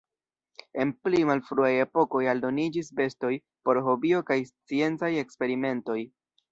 En pli malfruaj epokoj aldoniĝis bestoj por hobio kaj sciencaj eksperimentoj.